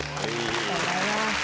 ありがとうございます。